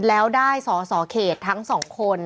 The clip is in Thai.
แล้วได้สอสอเขตทั้งสองคน